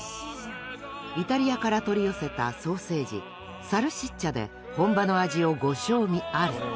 イタリアから取り寄せたソーセージサルシッチャで本場の味をご賞味あれ。